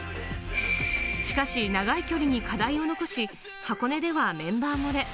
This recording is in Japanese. しかし長い距離に課題を残し、箱根ではメンバー漏れ。